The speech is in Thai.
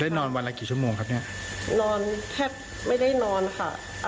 นอนวันละกี่ชั่วโมงครับเนี้ยนอนแทบไม่ได้นอนค่ะ